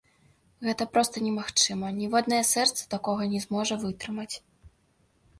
Гэта проста немагчыма, ніводнае сэрца такога не зможа вытрымаць.